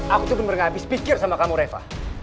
aku tuh bener bener habis pikir sama kamu reva